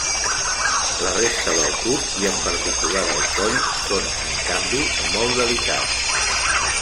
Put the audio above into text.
La resta del tub i en particular el coll són en canvi molt delicats.